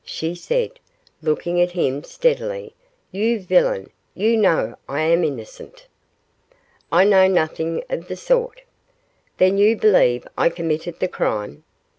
she said, looking at him steadily; 'you villain, you know I am innocent!' 'I know nothing of the sort.' Then you believe I committed the crime?